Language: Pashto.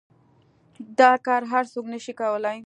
دا كار هر سوك نشي كولاى.